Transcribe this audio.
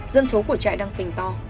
dân số của trại đang phình to